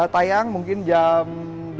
tayang mungkin jam delapan